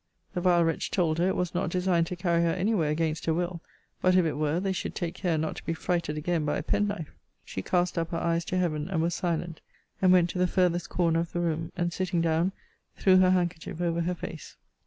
The vile wretch told her, it was not designed to carry her any where against her will: but, if it were, they should take care not to be frighted again by a penknife. She cast up her eyes to Heaven, and was silent and went to the farthest corner of the room, and, sitting down, threw her handkerchief over her face.